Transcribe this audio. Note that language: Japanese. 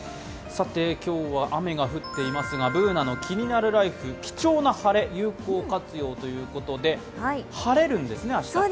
今日は雨が降っていますが、「ＢｏｏｎａのキニナルＬＩＦＥ」、貴重な晴れ、有効活用ということで晴れるんですね、明日？